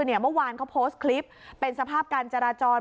เมื่อวานเขาโพสต์คลิปเป็นสภาพการจราจร